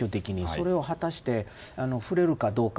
それを果たして触れるかどうか。